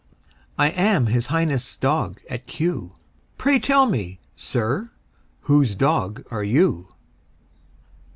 I am His Highness' dog at Kew; Pray tell me, sir, whose dog are you?